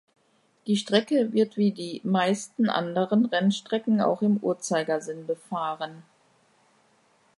Die Strecke wird wie die meisten anderen Rennstrecken auch im Uhrzeigersinn befahren.